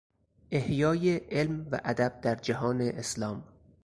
احیای علم و ادب در جهان اسلام